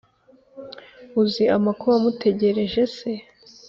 uzi amakuba amutegerejese